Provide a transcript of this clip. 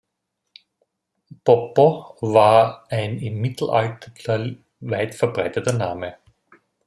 Boppo war ein im Mittelalter weit verbreiteter Name.